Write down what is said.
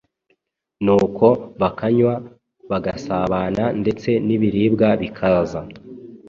Nuko bakanywa bagasabana ndetse n’ibiribwa bikaza.